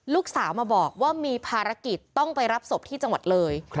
ลูกสาวมาบอกว่ามีภารกิจต้องไปรับศพที่จังหวัดเลย